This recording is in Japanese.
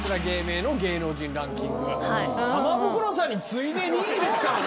玉袋さんに次いで２位ですから。